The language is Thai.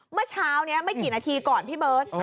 เมื่อเช้านี้ไม่กี่นาทีก่อนพี่เบิร์ต